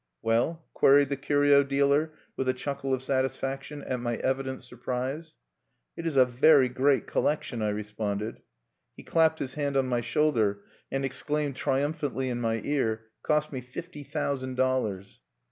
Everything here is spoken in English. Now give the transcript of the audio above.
"Well?" queried the curio dealer, with a chuckle of satisfaction at my evident surprise. "It is a very great collection," I responded. He clapped his hand on my shoulder, and exclaimed triumphantly in my ear, "Cost me fifty thousand dollars."